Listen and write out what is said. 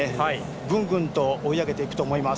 ぐんぐんと追い上げていくと思います。